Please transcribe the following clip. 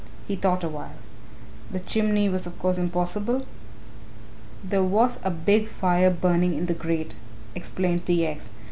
He thought a while. "The chimney was of course impossible?" "There was a big fire burning in the grate," explained T. X.